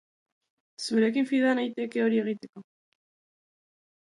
Zurekin fida naiteke hori egiteko?